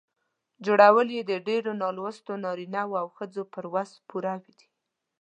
جوړول یې د ډېرو نالوستو نارینه وو او ښځو په وس پوره دي.